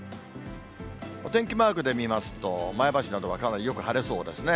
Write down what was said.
お天気マークで見ますと、前橋などはかなりよく晴れそうですね。